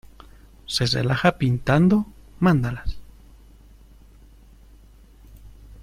Se relaja pintando mandalas.